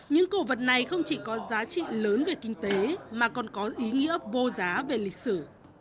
những cổ vật này không chỉ có giá trị lớn về kinh tế mà còn có ý nghĩa vô giá về lịch sử